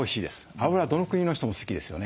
脂どの国の人も好きですよね。